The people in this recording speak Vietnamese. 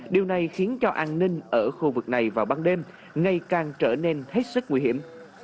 điều này khiến cho an ninh ở khu vực này vào ban đêm ngày càng trở nên hết sức nguy hiểm